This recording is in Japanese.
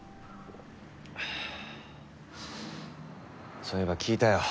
そういえば聞いたよ。